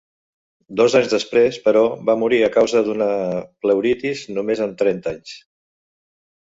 Dos anys després, però, va morir a causa d'una pleuritis, només amb trenta anys.